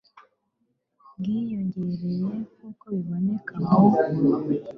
bwiyongereye nk uko biboneka mu